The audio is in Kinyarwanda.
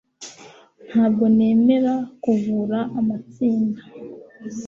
Ntabwo nemera kuvura amatsinda